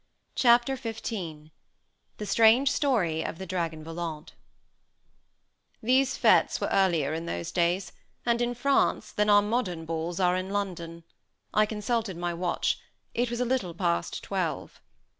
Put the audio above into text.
Chapter XV STRANGE STORY OF THE DRAGON VOLANT These fêtes were earlier in those days, and in France, than our modern balls are in London. I consulted my watch. It was a little past twelve.